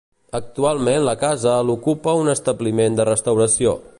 Actualment la casa l'ocupa un establiment de restauració.